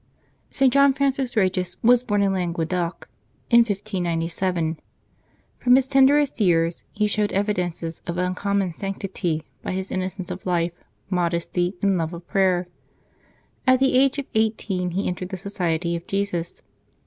[t. John Francis Kegis was born in Languedoc, in 1597. From his tenderest years he showed evi dences of uncommon sanctity by his innocence of life, modesty, and love of prayer. At the age of eighteen he entered the Society of Jesus.